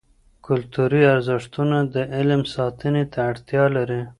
کلتوري ارزښتونه د علم ساتنې ته اړتیا لري.